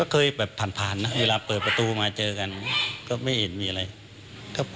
เคยทักทายกันไหมคะ